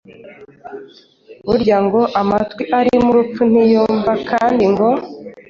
Burya ngo: “Amatwi arimo urupfu ntiyumva” kandi ngo: “